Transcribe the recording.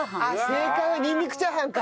正解はにんにくチャーハンか！